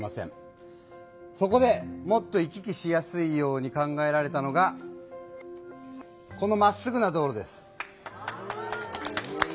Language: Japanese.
そこでもっと行き来しやすいように考えられたのがこのまっすぐな道路です。